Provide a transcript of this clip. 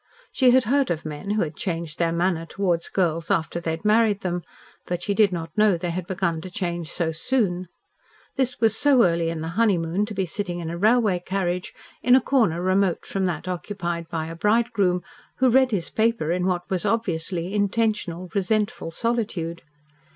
She had heard of men who had changed their manner towards girls after they had married them, but she did not know they had begun to change so soon. This was so early in the honeymoon to be sitting in a railway carriage, in a corner remote from that occupied by a bridegroom, who read his paper in what was obviously intentional, resentful solitude.